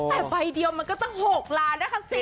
แต่ใบเดียวมันก็ตั้ง๖ล้านนะคะสิ